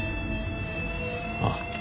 ああ。